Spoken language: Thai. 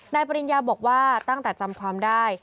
ปริญญาบอกว่าตั้งแต่จำความได้